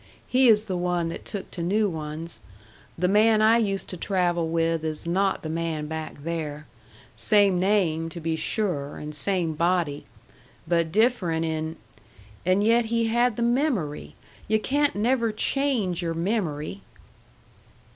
He is the one that took to new ones. The man I used to travel with is not the man back there. Same name, to be sure. And same body. But different in and yet he had the memory! You can't never change your memory!"